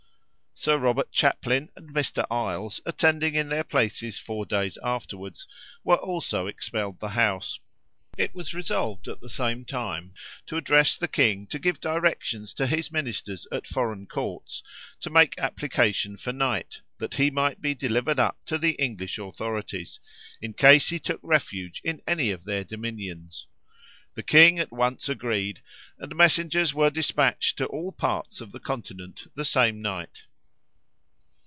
Sir Robert Chaplin and Mr. Eyles, attending in their places four days afterwards, were also expelled the House. It was resolved at the same time to address the king to give directions to his ministers at foreign courts to make application for Knight, that he might be delivered up to the English authorities, in case he took refuge in any of their dominions. The king at once agreed, and messengers were despatched to all parts of the continent the same night.